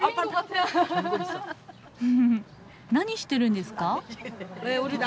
ふふふ何してるんですか？